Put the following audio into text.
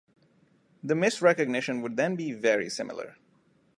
The misrecognition would then be very similar.